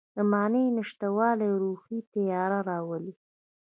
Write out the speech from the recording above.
د معنی نشتوالی روحي تیاره راولي.